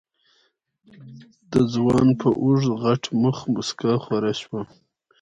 د ځوان په اوږد غټ مخ موسکا خوره شوه.